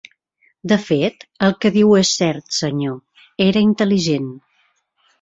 De fet, el què diu és cert, senyor: era intel·ligent.